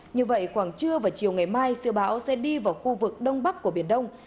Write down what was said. như vậy khoảng trưa và chiều ngày mai siêu bão sẽ đi vào khu vực đông bắc của biển đông